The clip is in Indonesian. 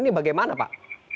ini bagaimana pak